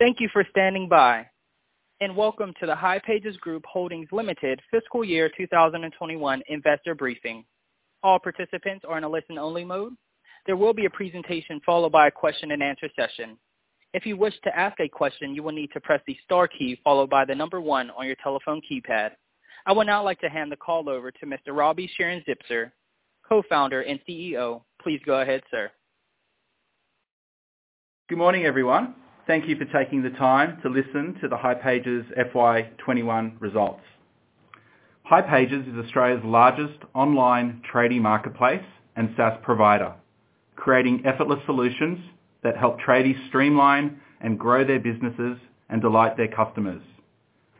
Thank you for standing by and welcome to hipages Group Holdings Limited FY 2021 investor briefing, all participants are in listen only mode. There will be a presentation followed by a question and answer session. If you wish to ask a question, you will need to press the star key followed by 1 on your telephone keypad. I would now like to hand the call over to Mr. Roby Sharon-Zipser, Co-founder and CEO. Please go ahead, sir. Good morning, everyone. Thank you for taking the time to listen to the hipages FY 2021 results. hipages is Australia's largest online tradie marketplace and SaaS provider, creating effortless solutions that help tradies streamline and grow their businesses and delight their customers.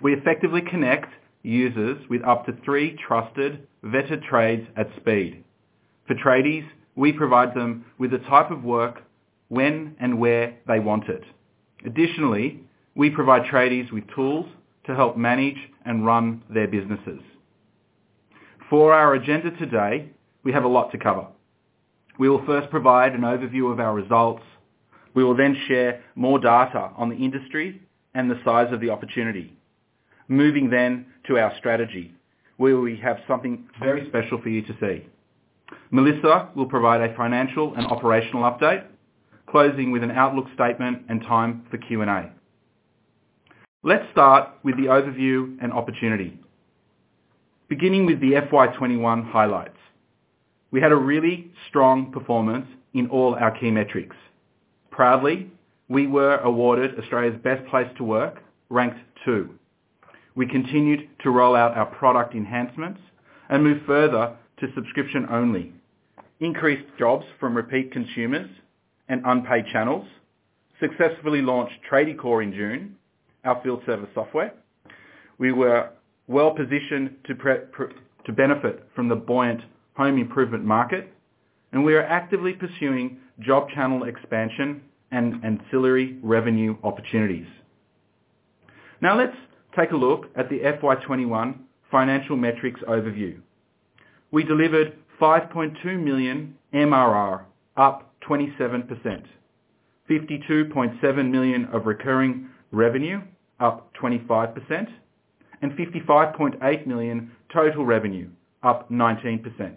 We effectively connect users with up to three trusted, vetted trades at speed. For tradies, we provide them with the type of work when and where they want it. We provide tradies with tools to help manage and run their businesses. For our agenda today, we have a lot to cover. We'll first provide an overview of our results. We will share more data on the industry and the size of the opportunity. Moving then to our strategy, where we have something very special for you to see. Melissa will provide a financial and operational update, closing with an outlook statement and time for Q&A. Let's start with the overview and opportunity. Beginning with the FY 2021 highlights. We had a really strong performance in all our key metrics. Proudly, we were awarded Australia's Best Place to Work, ranked two. We continued to roll out our product enhancements and move further to subscription-only. Increased jobs from repeat consumers and unpaid channels. Successfully launched Tradiecore in June, our field service software. We were well-positioned to benefit from the buoyant home improvement market, and we are actively pursuing job channel expansion and ancillary revenue opportunities. Now let's take a look at the FY 2021 financial metrics overview. We delivered 5.2 million MRR, up 27%, 52.7 million of recurring revenue, up 25%, and 55.8 million total revenue, up 19%.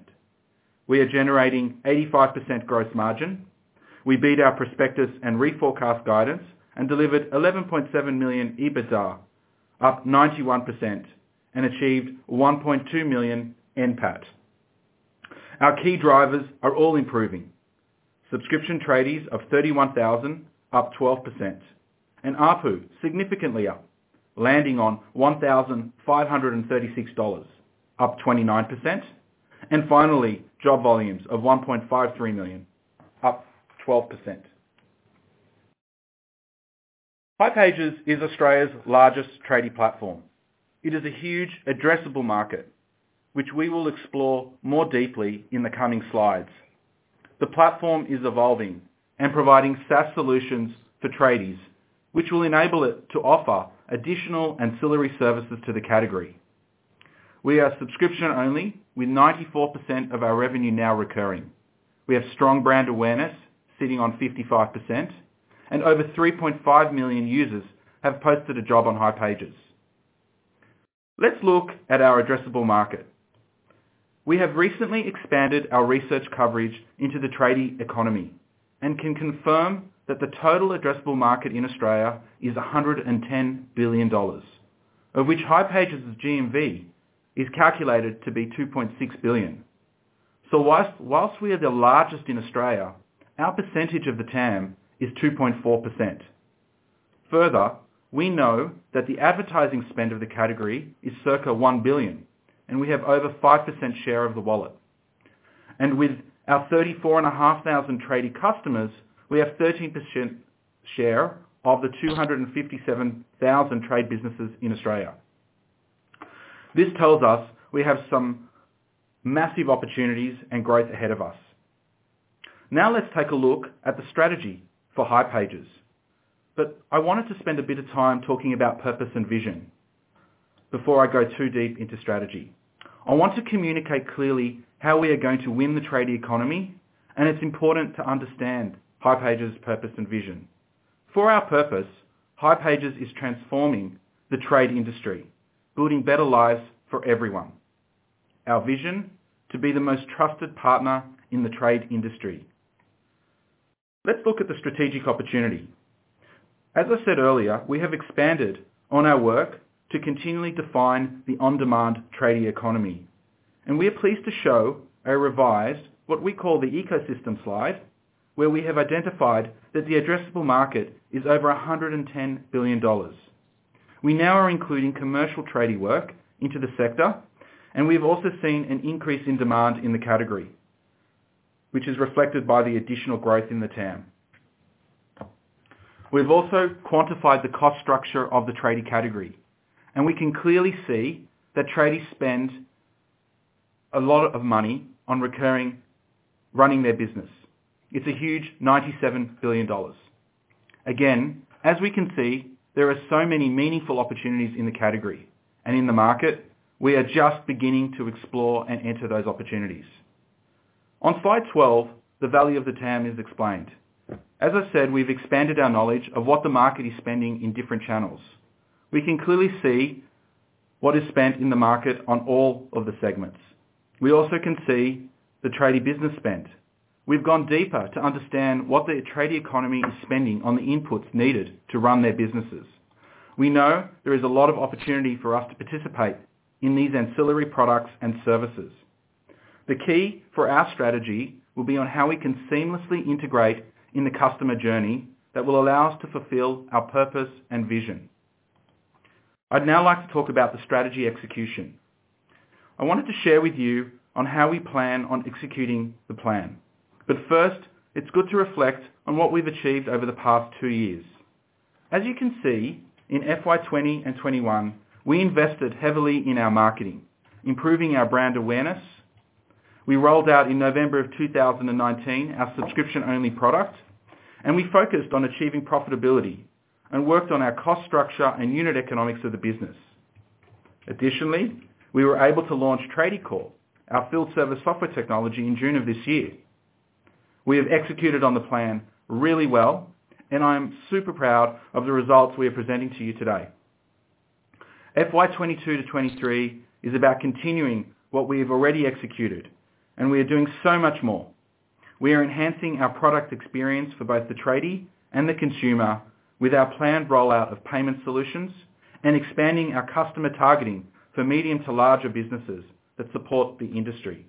We are generating 85% gross margin. We beat our prospectus and reforecast guidance and delivered 11.7 million EBITDA, up 91%, and achieved 1.2 million NPAT. Our key drivers are all improving. Subscription tradies of 31,000, up 12%, ARPU significantly up, landing on 1,536 dollars, up 29%. Finally, job volumes of 1.53 million, up 12%. hipages is Australia's largest tradie platform. It is a huge addressable market, which we will explore more deeply in the coming slides. The platform is evolving and providing SaaS solutions for tradies, which will enable it to offer additional ancillary services to the category. We are subscription-only, with 94% of our revenue now recurring. We have strong brand awareness, sitting on 55%, and over 3.5 million users have posted a job on hipages. Let's look at our addressable market. We have recently expanded our research coverage into the tradie economy and can confirm that the total addressable market in Australia is 110 billion dollars, of which hipages' GMV is calculated to be 2.6 billion. Whilst we are the largest in Australia, our percentage of the TAM is 2.4%. Further, we know that the advertising spend of the category is circa 1 billion, and we have over 5% share of the wallet. With our 34,500 tradie customers, we have 13% share of the 257,000 trade businesses in Australia. This tells us we have some massive opportunities and growth ahead of us. Let's take a look at the strategy for hipages. I wanted to spend a bit of time talking about purpose and vision before I go too deep into strategy. I want to communicate clearly how we are going to win the tradie economy, and it's important to understand hipages' purpose and vision. For our purpose, hipages is transforming the trade industry, building better lives for everyone. Our vision, to be the most trusted partner in the trade industry. Let's look at the strategic opportunity. As I said earlier, we have expanded on our work to continually define the on-demand tradie economy. We are pleased to show a revised, what we call the ecosystem slide, where we have identified that the addressable market is over 110 billion dollars. We now are including commercial tradie work into the sector, and we've also seen an increase in demand in the category, which is reflected by the additional growth in the TAM. We've also quantified the cost structure of the tradie category, we can clearly see that tradies spend a lot of money on recurring, running their business. It's a huge 97 billion dollars. Again, as we can see, there are so many meaningful opportunities in the category and in the market. We are just beginning to explore and enter those opportunities. On slide 12, the value of the TAM is explained. As I said, we've expanded our knowledge of what the market is spending in different channels. We can clearly see what is spent in the market on all of the segments. We also can see the tradie business spend. We've gone deeper to understand what the tradie economy is spending on the inputs needed to run their businesses. We know there is a lot of opportunity for us to participate in these ancillary products and services. The key for our strategy will be on how we can seamlessly integrate in the customer journey that will allow us to fulfill our purpose and vision. I'd now like to talk about the strategy execution. I wanted to share with you on how we plan on executing the plan. First, it's good to reflect on what we've achieved over the past two years. As you can see, in FY 2020 and FY 2021, we invested heavily in our marketing, improving our brand awareness. We rolled out in November 2019 our subscription-only product. We focused on achieving profitability and worked on our cost structure and unit economics of the business. Additionally, we were able to launch Tradiecore, our field service software technology, in June of this year. We have executed on the plan really well. I'm super proud of the results we are presenting to you today. FY 2022 to FY 2023 is about continuing what we have already executed. We are doing so much more. We are enhancing our product experience for both the tradie and the consumer with our planned rollout of payment solutions and expanding our customer targeting for medium to larger businesses that support the industry.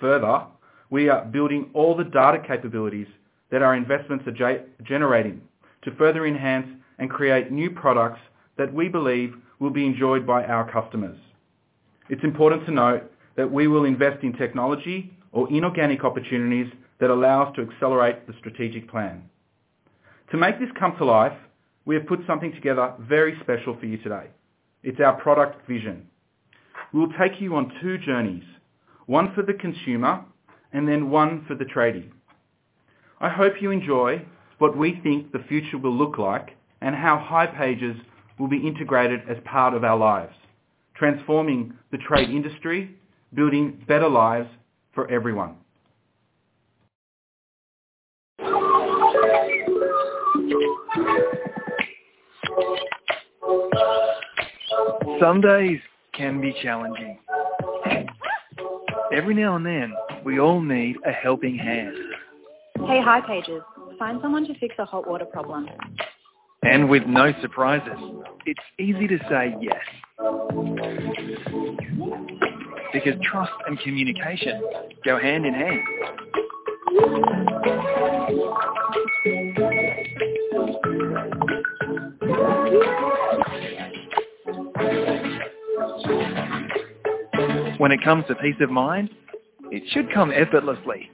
Further, we are building all the data capabilities that our investments are generating to further enhance and create new products that we believe will be enjoyed by our customers. It's important to note that we will invest in technology or inorganic opportunities that allow us to accelerate the strategic plan. To make this come to life, we have put something together very special for you today. It's our product vision. We'll take you on two journeys, one for the consumer and then one for the tradie. I hope you enjoy what we think the future will look like and how hipages will be integrated as part of our lives, transforming the trade industry, building better lives for everyone. Some days can be challenging. Every now and then, we all need a helping hand. Hey, hipages. Find someone to fix a hot water problem. With no surprises, it's easy to say yes. Trust and communication go hand in hand. When it comes to peace of mind, it should come effortlessly.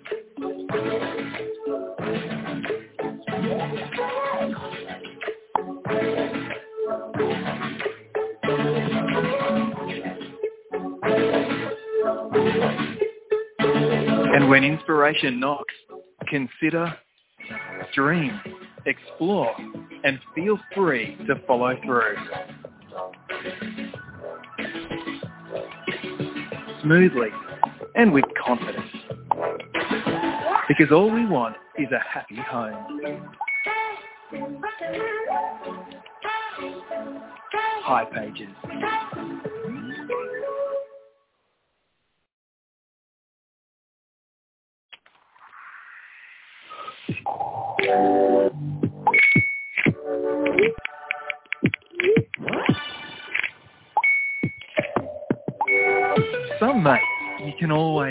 When inspiration knocks, consider, dream, explore, and feel free to follow through. Smoothly and with confidence. All we want is a happy home.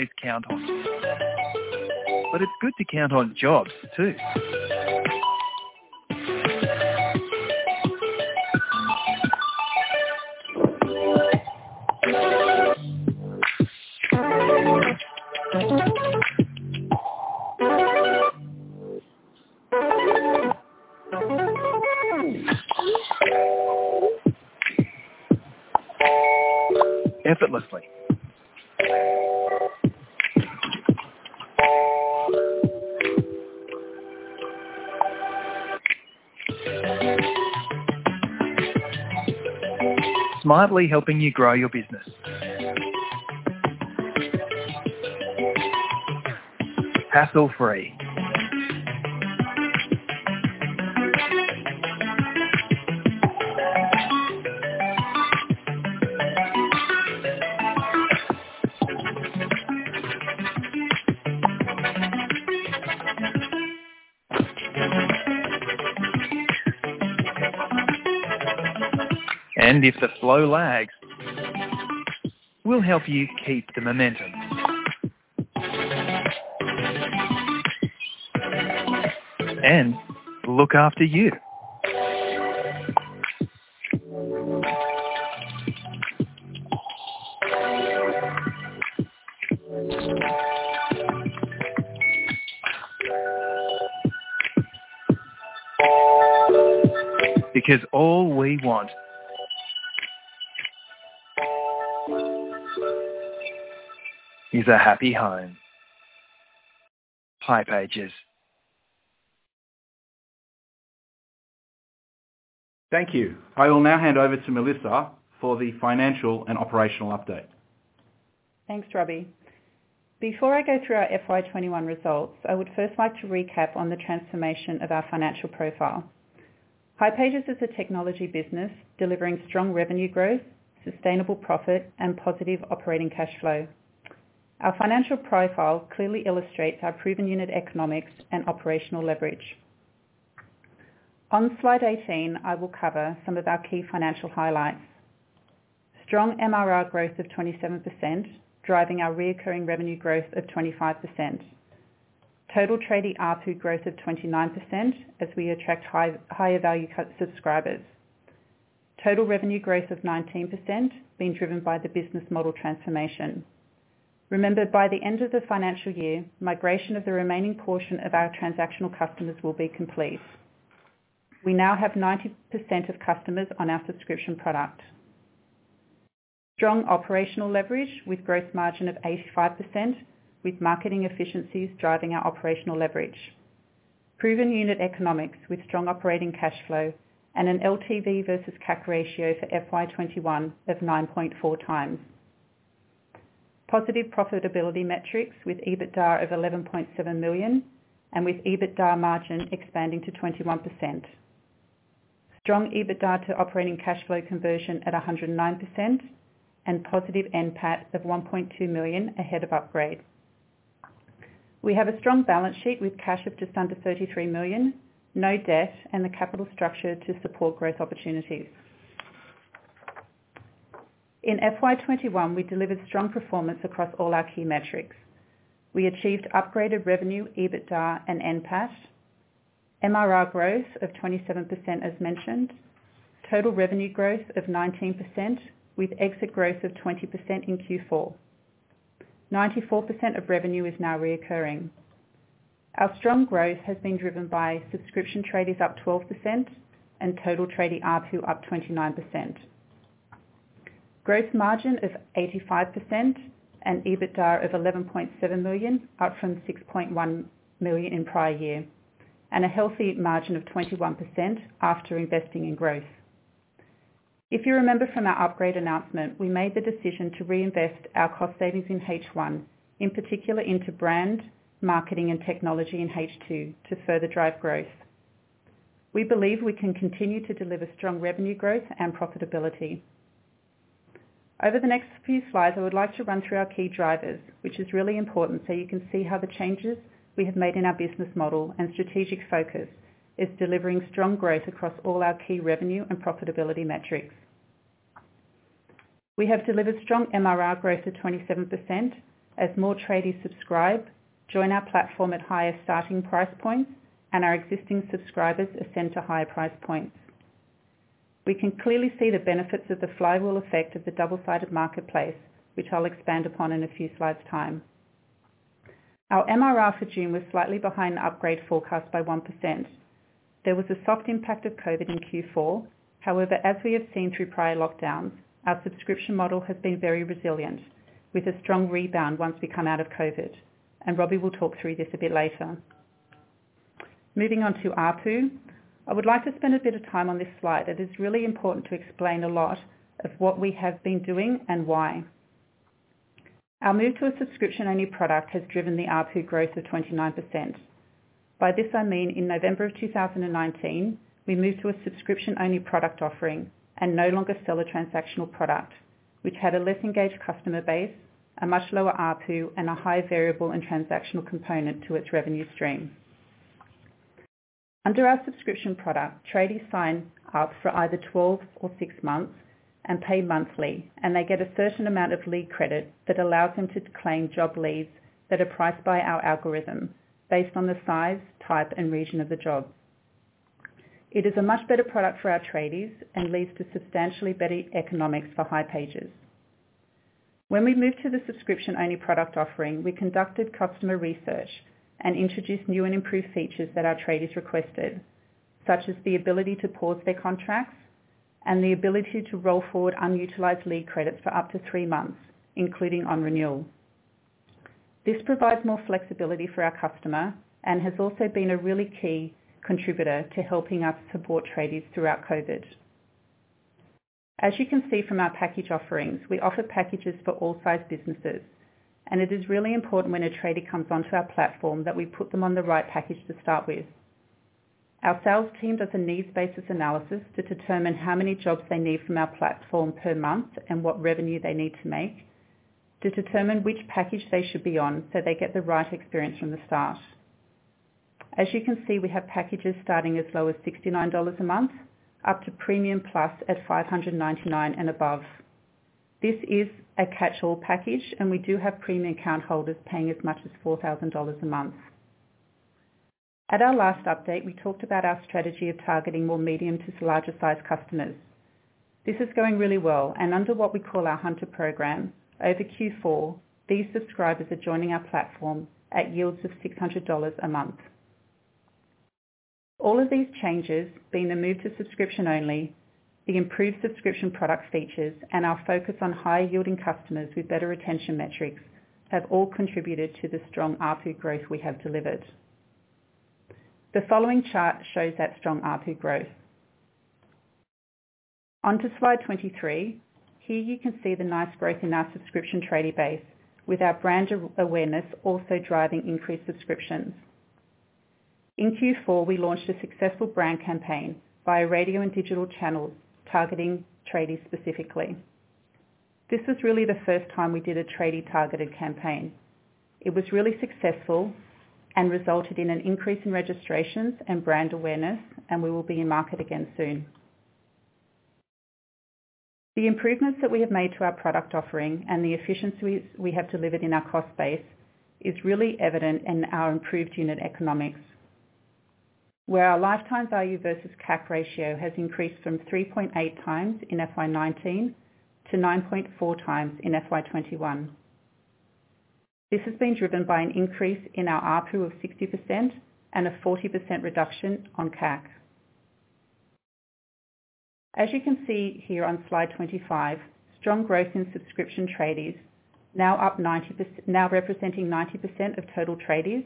hipages. Some mates you can always count on. It's good to count on jobs too. Effortlessly. Smartly helping you grow your business. Hassle-free. If the flow lags, we'll help you keep the momentum. Look after you. All we want is a happy home. hipages. Thank you. I will now hand over to Melissa for the financial and operational update. Thanks, Roby Sharon-Zipser. Before I go through our FY 2021 results, I would first like to recap on the transformation of our financial profile. hipages is a technology business delivering strong revenue growth, sustainable profit, and positive operating cash flow. Our financial profile clearly illustrates our proven unit economics and operational leverage. On slide 18, I will cover some of our key financial highlights. Strong MRR growth of 27%, driving our recurring revenue growth of 25%. Total tradie ARPU growth of 29% as we attract higher value subscribers. Total revenue growth of 19%, being driven by the business model transformation. Remember, by the end of the financial year, migration of the remaining portion of our transactional customers will be complete. We now have 90% of customers on our subscription product. Strong operational leverage with gross margin of 85%, with marketing efficiencies driving our operational leverage. Proven unit economics with strong operating cash flow and an LTV versus CAC ratio for FY 2021 of 9.4x. Positive profitability metrics with EBITDA of 11.7 million and with EBITDA margin expanding to 21%. Strong EBITDA to operating cash flow conversion at 109%, and positive NPAT of 1.2 million ahead of upgrade. We have a strong balance sheet with cash of just under 33 million, no debt, and the capital structure to support growth opportunities. In FY 2021, we delivered strong performance across all our key metrics. We achieved upgraded revenue, EBITDA and NPAT. MRR growth of 27%, as mentioned. Total revenue growth of 19%, with exit growth of 20% in Q4. 94% of revenue is now recurring. Our strong growth has been driven by subscription tradies up 12% and total tradie ARPU up 29%. Gross margin of 85% and EBITDA of 11.7 million, up from 6.1 million in prior year, and a healthy margin of 21% after investing in growth. If you remember from our upgrade announcement, we made the decision to reinvest our cost savings in H1, in particular into brand, marketing and technology in H2 to further drive growth. We believe we can continue to deliver strong revenue growth and profitability. Over the next few slides, I would like to run through our key drivers, which is really important so you can see how the changes we have made in our business model and strategic focus is delivering strong growth across all our key revenue and profitability metrics. We have delivered strong MRR growth to 27% as more tradies subscribe, join our platform at higher starting price points, and our existing subscribers ascend to higher price points. We can clearly see the benefits of the flywheel effect of the double-sided marketplace, which I'll expand upon in a few slides' time. Our MRR for June was slightly behind the upgrade forecast by 1%. There was a soft impact of COVID-19 in Q4. However, as we have seen through prior lockdowns, our subscription model has been very resilient, with a strong rebound once we come out of COVID-19, and Roby Sharon-Zipser will talk through this a bit later. Moving on to ARPU. I would like to spend a bit of time on this slide, as it's really important to explain a lot of what we have been doing and why. Our move to a subscription-only product has driven the ARPU growth to 29%. By this I mean, in November of 2019, we moved to a subscription-only product offering and no longer sell a transactional product, which had a less engaged customer base, a much lower ARPU, and a high variable and transactional component to its revenue stream. Under our subscription product, tradies sign up for either 12 or 6 months and pay monthly. They get a certain amount of lead credit that allows them to claim job leads that are priced by our algorithm based on the size, type, and region of the job. It is a much better product for our tradies and leads to substantially better economics for hipages. When we moved to the subscription-only product offering, we conducted customer research and introduced new and improved features that our tradies requested, such as the ability to pause their contracts and the ability to roll forward unutilized lead credits for up to three months, including on renewal. This provides more flexibility for our customer and has also been a really key contributor to helping us support tradies throughout COVID-19. It is really important when a tradie comes onto our platform that we put them on the right package to start with. Our sales team does a needs-basis analysis to determine how many jobs they need from our platform per month and what revenue they need to make to determine which package they should be on so they get the right experience from the start. As you can see, we have packages starting as low as 69 dollars a month, up to Premium Plus at 599 and above. This is a catch-all package, and we do have premium account holders paying as much as 4,000 dollars a month. At our last update, we talked about our strategy of targeting more medium to larger size customers. This is going really well and under what we call our Hunter program, over Q4, these subscribers are joining our platform at yields of 600 dollars a month. All of these changes, being the move to subscription only. The improved subscription product features and our focus on higher-yielding customers with better retention metrics have all contributed to the strong ARPU growth we have delivered. The following chart shows that strong ARPU growth. On to slide 23. Here you can see the nice growth in our subscription tradie base, with our brand awareness also driving increased subscriptions. In Q4, we launched a successful brand campaign via radio and digital channels targeting tradies specifically. This was really the first time we did a tradie-targeted campaign. It was really successful and resulted in an increase in registrations and brand awareness, and we will be in market again soon. The improvements that we have made to our product offering and the efficiencies we have delivered in our cost base is really evident in our improved unit economics, where our lifetime value versus CAC ratio has increased from 3.8x in FY 2019 to 9.4x in FY 2021. This has been driven by an increase in our ARPU of 60% and a 40% reduction on CAC. As you can see here on slide 25, strong growth in subscription tradies, now representing 90% of total tradies,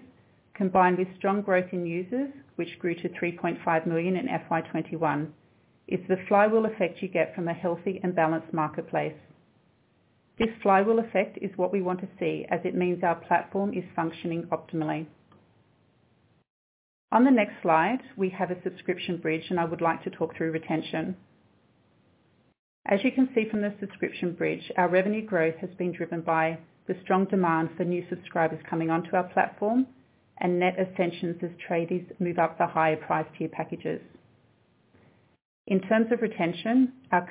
combined with strong growth in users, which grew to 3.5 million in FY 2021. It's the flywheel effect you get from a healthy and balanced marketplace. This flywheel effect is what we want to see, as it means our platform is functioning optimally. On the next slide, we have a subscription bridge. I would like to talk through retention. As you can see from the subscription bridge, our revenue growth has been driven by the strong demand for new subscribers coming onto our platform and net ascensions as tradies move up to higher price tier packages. In terms of retention, our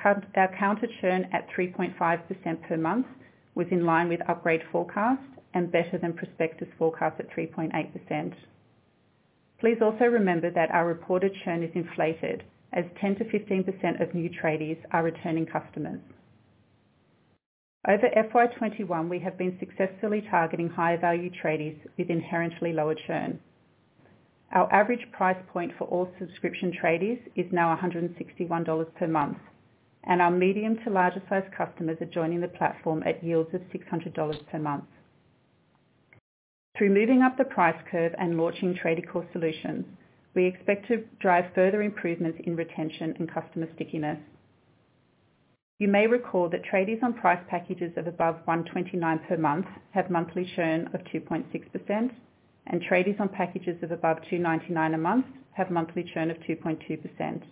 counter churn at 3.5% per month was in line with upgrade forecast and better than prospectus forecast at 3.8%. Please also remember that our reported churn is inflated as 10%-15% of new tradies are returning customers. Over FY 2021, we have been successfully targeting higher-value tradies with inherently lower churn. Our average price point for all subscription tradies is now 161 dollars per month, and our medium to larger-sized customers are joining the platform at yields of 600 dollars per month. Through moving up the price curve and launching Tradiecore solutions, we expect to drive further improvements in retention and customer stickiness. You may recall that tradies on price packages of above 129 per month have monthly churn of 2.6%, and tradies on packages of above 299 a month have monthly churn of 2.2%.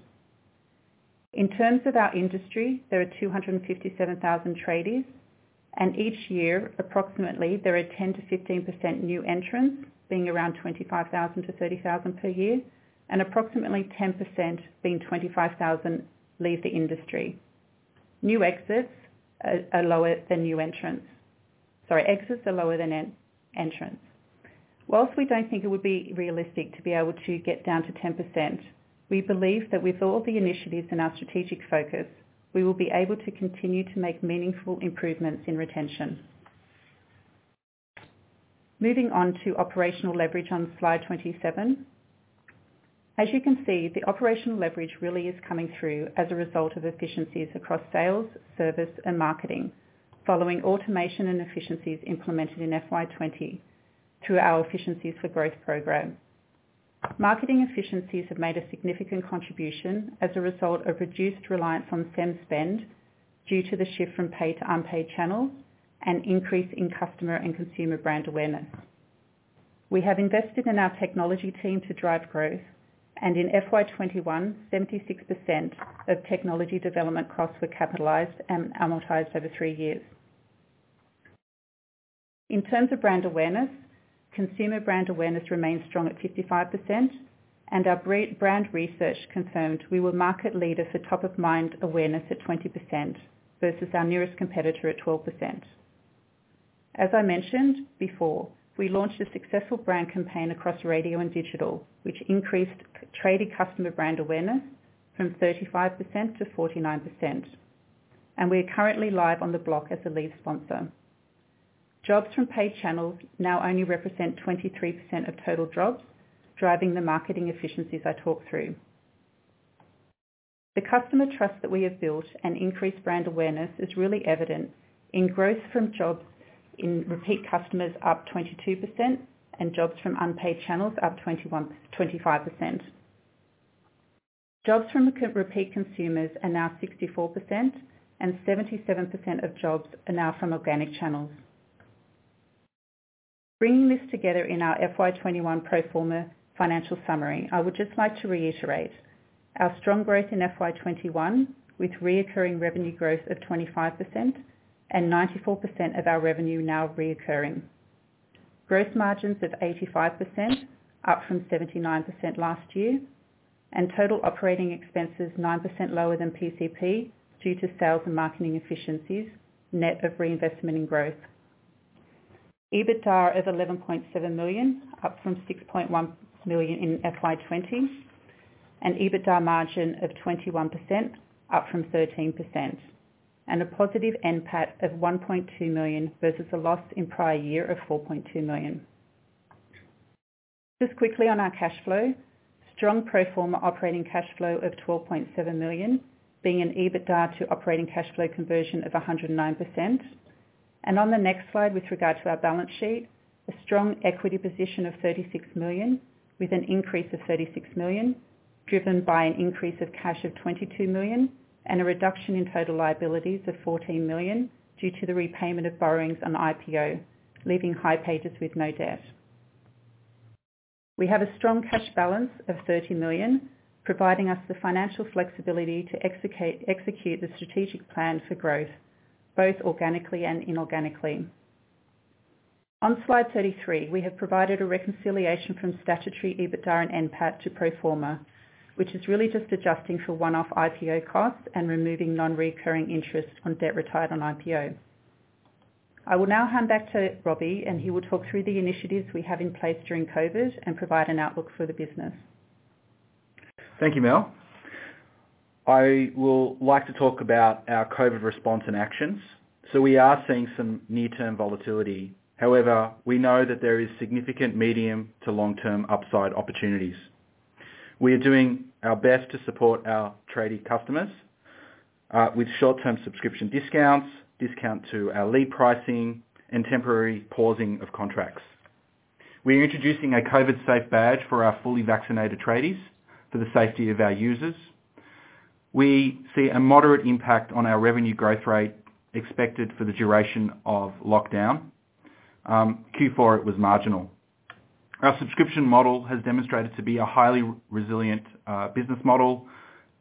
In terms of our industry, there are 257,000 tradies, and each year, approximately there are 10%-15% new entrants, being around 25,000-30,000 per year, and approximately 10%, being 25,000, leave the industry. Exits are lower than entrants. Whilst we don't think it would be realistic to be able to get down to 10%, we believe that with all the initiatives and our strategic focus, we will be able to continue to make meaningful improvements in retention. Moving on to operational leverage on slide 27. As you can see, the operational leverage really is coming through as a result of efficiencies across sales, service, and marketing, following automation and efficiencies implemented in FY 2020 through our efficiencies for growth program. Marketing efficiencies have made a significant contribution as a result of reduced reliance on SEM spend due to the shift from paid to unpaid channels and increase in customer and consumer brand awareness. We have invested in our technology team to drive growth, and in FY 2021, 76% of technology development costs were capitalized and amortized over three years. In terms of brand awareness, consumer brand awareness remains strong at 55%, our brand research confirmed we were market leader for top-of-mind awareness at 20% versus our nearest competitor at 12%. As I mentioned before, we launched a successful brand campaign across radio and digital, which increased tradie customer brand awareness from 35% to 49%. We are currently live on The Block as a lead sponsor. Jobs from paid channels now only represent 23% of total jobs, driving the marketing efficiencies I talked through. The customer trust that we have built and increased brand awareness is really evident in growth from jobs in repeat customers up 22% and jobs from unpaid channels up 25%. Jobs from repeat consumers are now 64%, and 77% of jobs are now from organic channels. Bringing this together in our FY 2021 pro forma financial summary, I would just like to reiterate our strong growth in FY 2021, with recurring revenue growth of 25% and 94% of our revenue now recurring. Gross margins of 85%, up from 79% last year, and total operating expenses 9% lower than PCP, due to sales and marketing efficiencies, net of reinvestment in growth. EBITDA of 11.7 million, up from 6.1 million in FY 2020, and EBITDA margin of 21%, up from 13%, and a positive NPAT of 1.2 million versus a loss in prior year of 4.2 million. Just quickly on our cash flow. Strong pro forma operating cash flow of 12.7 million, being an EBITDA to operating cash flow conversion of 109%. On the next slide, with regard to our balance sheet, a strong equity position of 36 million with an increase of 36 million, driven by an increase of cash of 22 million and a reduction in total liabilities of 14 million due to the repayment of borrowings on IPO, leaving hipages with no debt. We have a strong cash balance of 30 million, providing us the financial flexibility to execute the strategic plan for growth, both organically and inorganically. On slide 33, we have provided a reconciliation from statutory EBITDA and NPAT to pro forma, which is really just adjusting for one-off IPO costs and removing non-recurring interest on debt retired on IPO. I will now hand back to Roby and he will talk through the initiatives we have in place during COVID and provide an outlook for the business. Thank you, Mel. I will like to talk about our COVID response and actions. We are seeing some near-term volatility. However, we know that there is significant medium to long-term upside opportunities. We are doing our best to support our tradie customers, with short-term subscription discounts, discount to our lead pricing, and temporary pausing of contracts. We are introducing a COVID safe badge for our fully vaccinated tradies for the safety of our users. We see a moderate impact on our revenue growth rate expected for the duration of lockdown. Q4, it was marginal. Our subscription model has demonstrated to be a highly resilient business model,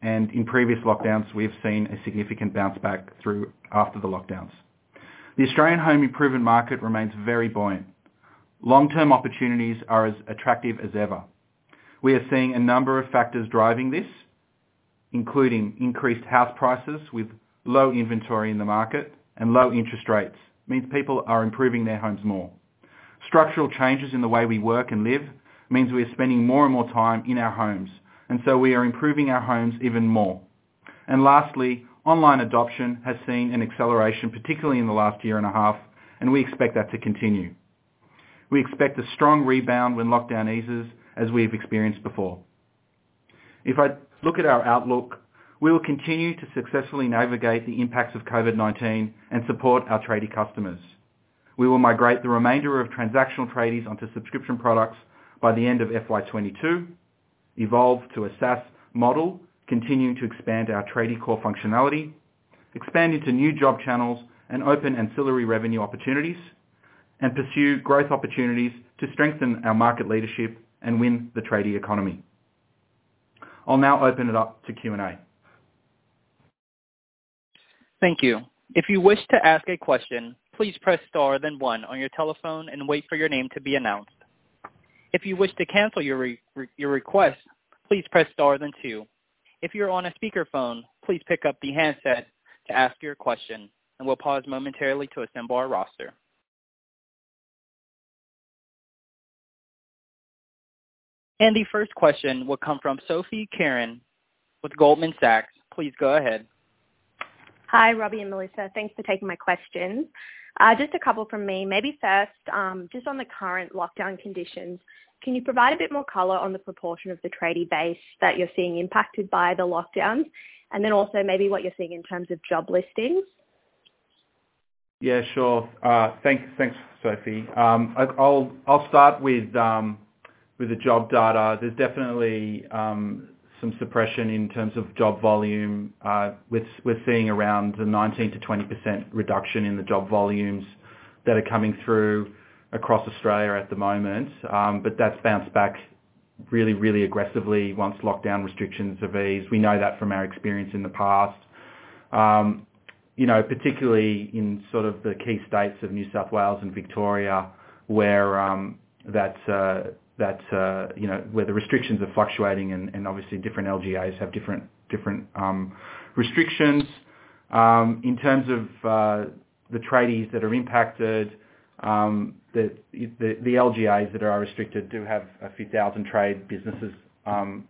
and in previous lockdowns, we have seen a significant bounce back through after the lockdowns. The Australian home improvement market remains very buoyant. Long-term opportunities are as attractive as ever. We are seeing a number of factors driving this, including increased house prices with low inventory in the market and low interest rates, means people are improving their homes more. Structural changes in the way we work and live means we are spending more and more time in our homes, and so we are improving our homes even more. Lastly, online adoption has seen an acceleration, particularly in the last year and a half, and we expect that to continue. We expect a strong rebound when lockdown eases, as we've experienced before. If I look at our outlook, we will continue to successfully navigate the impacts of COVID-19 and support our tradie customers. We will migrate the remainder of transactional tradies onto subscription products by the end of FY 2022, evolve to a SaaS model, continuing to expand our Tradiecore functionality, expand into new job channels and open ancillary revenue opportunities, and pursue growth opportunities to strengthen our market leadership and win the tradie economy. I'll now open it up to Q&A. Thank you. If you wish to ask a question please press star and then one and wait for your name, if you wish to cancel your request, please press star and then two, if you are on speakerphone, please take up the handset and ask your question and we pause momentarily to check our roster. The first question will come from Sophie Carran with Goldman Sachs. Please go ahead. Hi, Roby and Melissa. Thanks for taking my questions. Just a couple from me. Maybe first, just on the current lockdown conditions, can you provide a bit more color on the proportion of the tradie base that you're seeing impacted by the lockdowns? Also maybe what you're seeing in terms of job listings. Yeah, sure. Thanks, Sophie. I'll start with the job data. There's definitely some suppression in terms of job volume. We're seeing around the 19%-20% reduction in the job volumes that are coming through across Australia at the moment. That's bounced back really, really aggressively once lockdown restrictions have eased. We know that from our experience in the past. Particularly in sort of the key states of New South Wales and Victoria, where the restrictions are fluctuating and obviously different LGAs have different restrictions. In terms of the tradies that are impacted, the LGAs that are restricted do have a few thousand trade businesses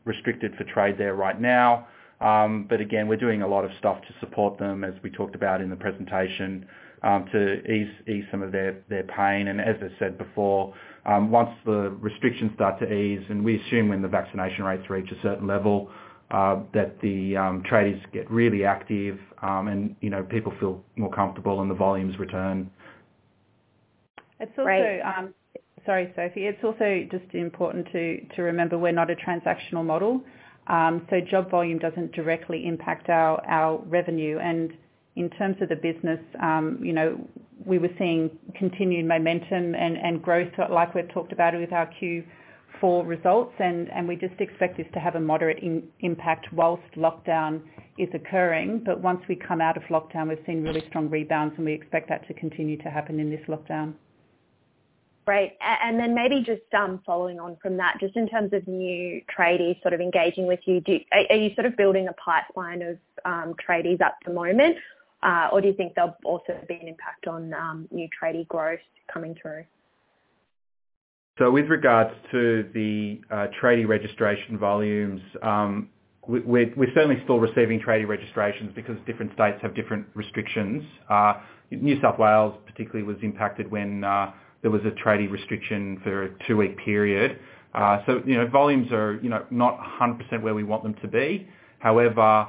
restricted for trade there right now. Again, we're doing a lot of stuff to support them as we talked about in the presentation, to ease some of their pain. As I said before, once the restrictions start to ease, and we assume when the vaccination rates reach a certain level, that the tradies get really active, and people feel more comfortable and the volumes return. It's also- Great. Sorry, Sophie. It's also just important to remember we're not a transactional model. Job volume doesn't directly impact our revenue. In terms of the business, we were seeing continued momentum and growth like we've talked about with our Q4 results, and we just expect this to have a moderate impact whilst lockdown is occurring. Once we come out of lockdown, we've seen really strong rebounds, and we expect that to continue to happen in this lockdown. Great. Then maybe just following on from that, just in terms of new tradies sort of engaging with you, are you sort of building a pipeline of tradies at the moment? Do you think there'll also be an impact on new tradie growth coming through? With regards to the tradie registration volumes. We're certainly still receiving tradie registrations because different states have different restrictions. New South Wales particularly was impacted when there was a tradie restriction for a 2-week period. Volumes are not 100% where we want them to be. However,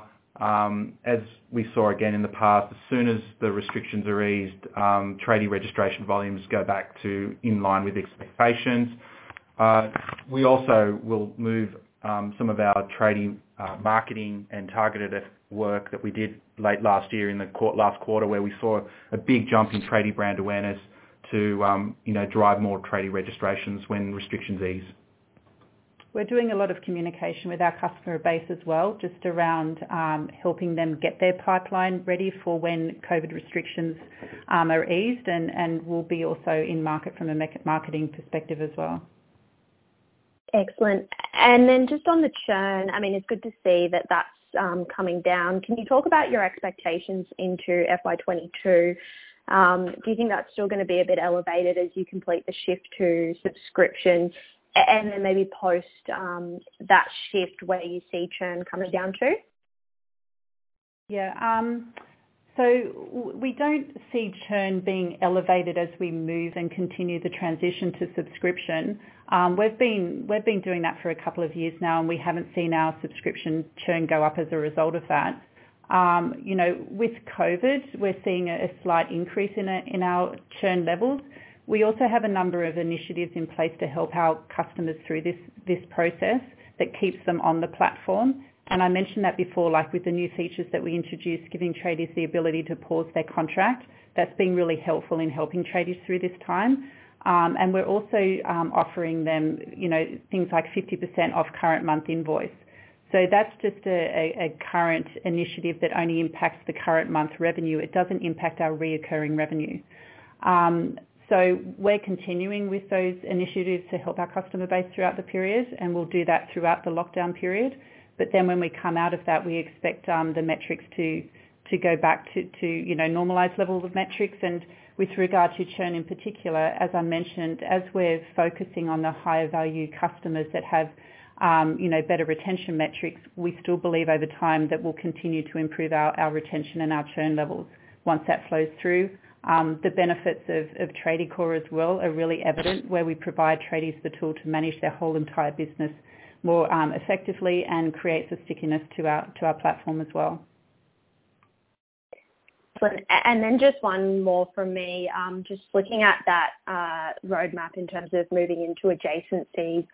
as we saw again in the past, as soon as the restrictions are eased, tradie registration volumes go back to in line with expectations. We also will move some of our tradie marketing and targeted work that we did late last year in the last quarter, where we saw a big jump in tradie brand awareness to drive more tradie registrations when restrictions ease. We're doing a lot of communication with our customer base as well, just around helping them get their pipeline ready for when COVID-19 restrictions are eased and we'll be also in market from a marketing perspective as well. Excellent. Just on the churn, it's good to see that that's coming down. Can you talk about your expectations into FY 2022? Do you think that's still gonna be a bit elevated as you complete the shift to subscription? Maybe post that shift, where you see churn coming down to? Yeah. We don't see churn being elevated as we move and continue the transition to subscription. We've been doing that for two years now, and we haven't seen our subscription churn go up as a result of that. With COVID-19, we're seeing a slight increase in our churn levels. We also have a number of initiatives in place to help our customers through this process that keeps them on the platform. I mentioned that before, like with the new features that we introduced, giving tradies the ability to pause their contract, that's been really helpful in helping tradies through this time. We're also offering them things like 50% off current month invoice. That's just a current initiative that only impacts the current month's revenue. It doesn't impact our recurring revenue. We're continuing with those initiatives to help our customer base throughout the period, and we'll do that throughout the lockdown period. When we come out of that, we expect the metrics to go back to normalized levels of metrics. With regard to churn in particular, as I mentioned, as we're focusing on the higher value customers that have better retention metrics, we still believe over time that we'll continue to improve our retention and our churn levels once that flows through. The benefits of Tradiecore as well are really evident where we provide tradies the tool to manage their whole entire business more effectively and creates a stickiness to our platform as well. Just 1 more from me. Just looking at that roadmap in terms of moving into adjacencies.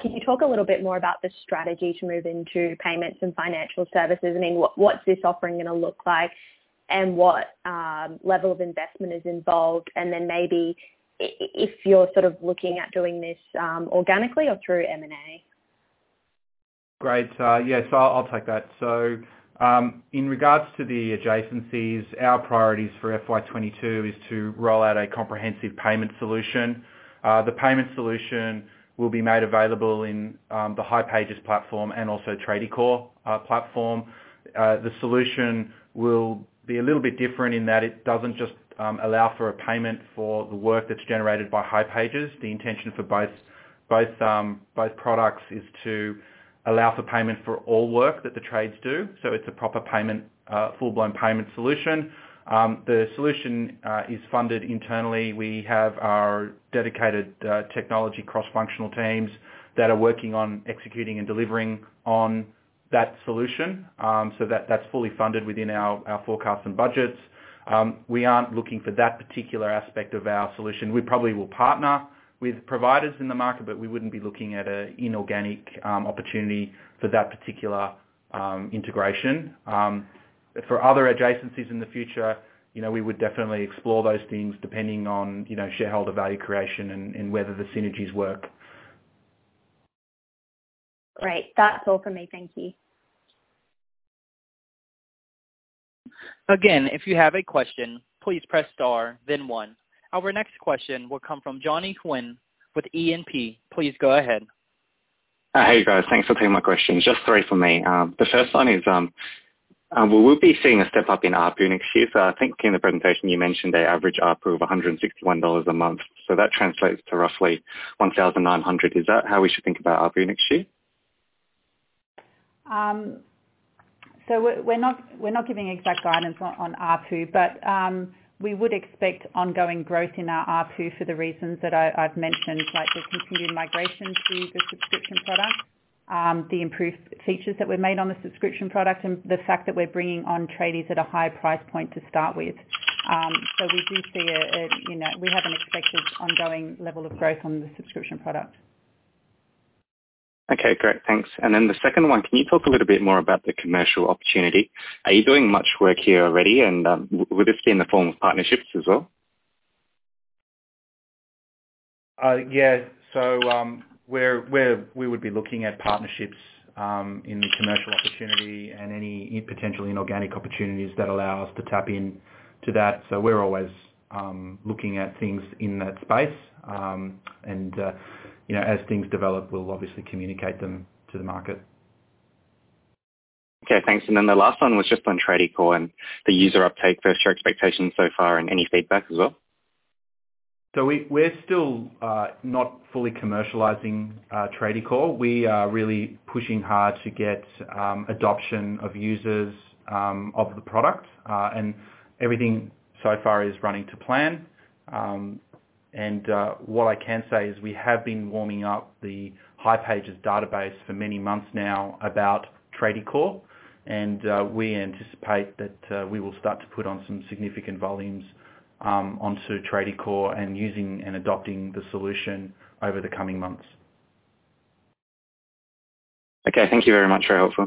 Can you talk a little bit more about the strategy to move into payments and financial services? What's this offering gonna look like and what level of investment is involved? Maybe if you're sort of looking at doing this organically or through M&A. Great. Yeah. I'll take that. In regards to the adjacencies, our priorities for FY 2022 is to roll out a comprehensive payment solution. The payment solution will be made available in the hipages platform and also Tradiecore platform. The solution will be a little bit different in that it doesn't just allow for a payment for the work that's generated by hipages. The intention for both products is to allow for payment for all work that the trades do. It's a proper full-blown payment solution. The solution is funded internally. We have our dedicated technology cross-functional teams that are working on executing and delivering on that solution. That's fully funded within our forecasts and budgets. We aren't looking for that particular aspect of our solution. We probably will partner with providers in the market, but we wouldn't be looking at an inorganic opportunity for that particular integration. For other adjacencies in the future, we would definitely explore those things depending on shareholder value creation and whether the synergies work. Great. That's all for me. Thank you. Again, if you have a question, please press star then one. Our next question will come from Johnny Quinn with E&P. Please go ahead. Hey, guys. Thanks for taking my question. Just three from me. The first one is, will we be seeing a step-up in ARPU next year? I think in the presentation you mentioned the average ARPU of 161 dollars a month. That translates to roughly 1,900. Is that how we should think about ARPU next year? We're not giving exact guidance on ARPU, but we would expect ongoing growth in our ARPU for the reasons that I've mentioned, like the continued migration to the subscription product, the improved features that we've made on the subscription product, and the fact that we're bringing on tradies at a higher price point to start with. We have an expected ongoing level of growth on the subscription product. Okay, great. Thanks. The second one, can you talk a little bit more about the commercial opportunity? Are you doing much work here already? Would this be in the form of partnerships as well? Yeah. We would be looking at partnerships in the commercial opportunity and any potential inorganic opportunities that allow us to tap into that. We're always looking at things in that space. As things develop, we'll obviously communicate them to the market. Okay, thanks. The last one was just on Tradiecore and the user uptake versus your expectations so far and any feedback as well. We're still not fully commercializing Tradiecore. We are really pushing hard to get adoption of users of the product. Everything so far is running to plan. What I can say is we have been warming up the hipages database for many months now about Tradiecore, and we anticipate that we will start to put on some significant volumes onto Tradiecore and using and adopting the solution over the coming months. Okay. Thank you very much. Very helpful.